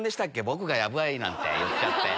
僕がヤバいなんて言っちゃって。